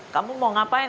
kamu mau ngapain